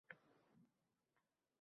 —Nega uxlamadingiz?